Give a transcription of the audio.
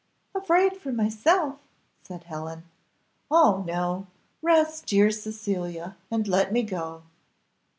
"Afraid for myself?" said Helen; "oh no rest, dear Cecilia, and let me go."